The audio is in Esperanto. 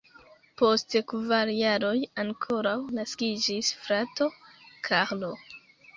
Post kvar jaroj ankoraŭ naskiĝis frato Karlo.